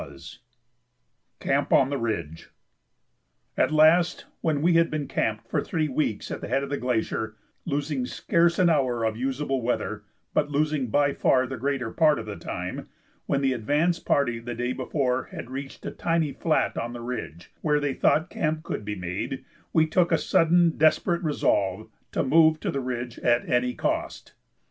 [Sidenote: Camp on the Ridge] At last when we had been camped for three weeks at the head of the glacier, losing scarce an hour of usable weather, but losing by far the greater part of the time, when the advance party the day before had reached a tiny flat on the ridge where they thought camp could be made, we took a sudden desperate resolve to move to the ridge at any cost.